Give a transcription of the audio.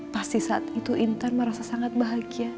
pasti saat itu intan merasa sangat bahagia